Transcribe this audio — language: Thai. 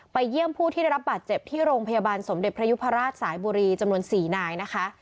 เยี่ยมผู้ที่ได้รับบาดเจ็บที่โรงพยาบาลสมเด็จพระยุพราชสายบุรีจำนวน๔นายนะคะ